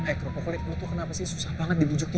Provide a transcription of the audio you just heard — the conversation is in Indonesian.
eh kropokolit lo tuh kenapa sih susah banget diujuknya